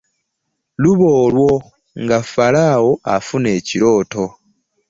Luba olwo nga Falaawo afuna ekirooto .